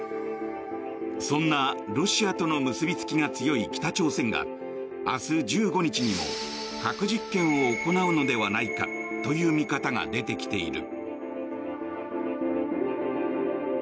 そんなロシアとの結びつきが強い北朝鮮が明日１５日にも核実験を行うのではないかとの見方が出てきている。